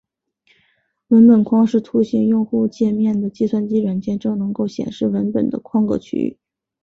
文本框是图形用户界面的计算机软件中能够显示文本的框格区域。